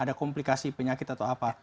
ada komplikasi penyakit atau apa